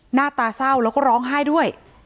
หน้าตาเศร้าแล้วก็ร้องไห้ด้วย